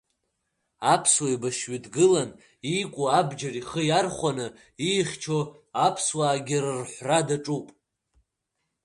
Аԥсуа еибашьҩы дгыланы, иику абџьар ихы иархәаны иихьчо аԥсуаагьы рырҳәра даҿуп.